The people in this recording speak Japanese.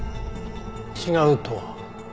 違うとは？